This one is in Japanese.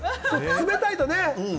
冷たいとね。